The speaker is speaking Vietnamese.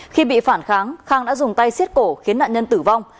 khi bị phản kháng khang đã dùng tay xiết cổ khiến nạn nhân tử vong